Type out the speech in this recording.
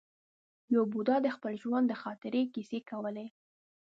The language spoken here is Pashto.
یو بوډا د خپل ژوند د خاطرې کیسې کولې.